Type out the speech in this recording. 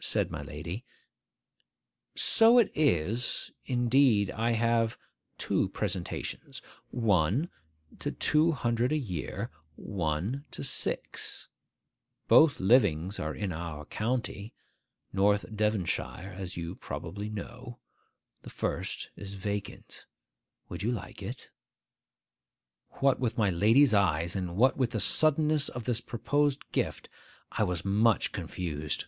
Said my lady, 'So it is: indeed I have two presentations,—one to two hundred a year, one to six. Both livings are in our county,—North Devonshire,—as you probably know. The first is vacant. Would you like it?' What with my lady's eyes, and what with the suddenness of this proposed gift, I was much confused.